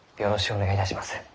お願いいたします。